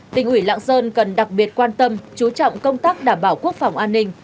tỉnh ủy lạng sơn cần đặc biệt quan tâm chú trọng công tác đảm bảo quốc phòng an ninh